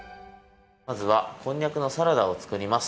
まずはこんにゃくのサラダをつくります。